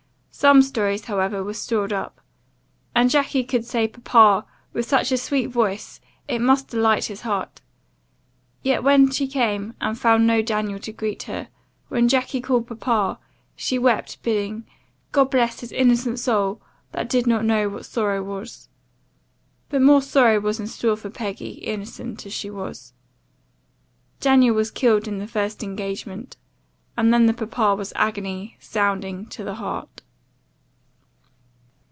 Some stories, however, were stored up and Jacky could say papa with such a sweet voice, it must delight his heart. Yet when she came, and found no Daniel to greet her, when Jacky called papa, she wept, bidding 'God bless his innocent soul, that did not know what sorrow was.' But more sorrow was in store for Peggy, innocent as she was. Daniel was killed in the first engagement, and then the papa was agony, sounding to the heart.